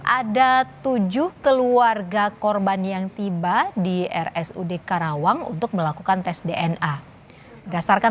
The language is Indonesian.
ada tujuh keluarga korban yang tiba di rsud karawang untuk melakukan tes dna berdasarkan